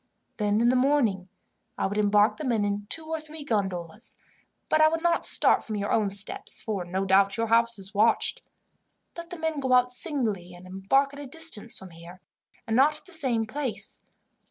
Then, in the morning, I would embark the men in two or three gondolas, but I would not start from your own steps, for no doubt your house is watched. Let the men go out singly, and embark at a distance from here, and not at the same place.